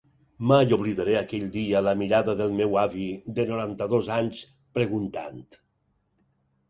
Mai oblidaré aquell dia la mirada del meu avi de noranta-dos anys preguntant.